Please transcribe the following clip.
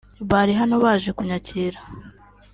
bari hano baje kunyakira